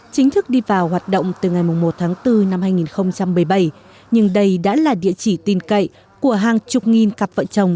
chính thức đi vào hoạt động từ ngày một tháng bốn năm hai nghìn một mươi bảy nhưng đây đã là địa chỉ tin cậy của hàng chục nghìn cặp vợ chồng